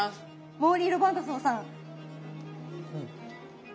モーリー・ロバートソンさん。